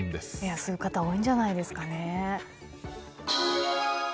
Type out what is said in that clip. そういう方多いんじゃないですかね。